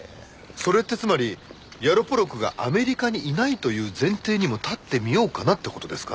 それってつまりヤロポロクがアメリカにいないという前提にも立ってみようかなって事ですか？